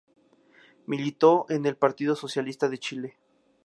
Militó en el Partido Socialista de Chile.